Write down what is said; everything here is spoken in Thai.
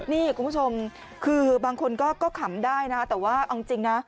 นี่คุณผู้ชมคือบางคนก็ขำได้นะแต่ว่าเอาจริงนะ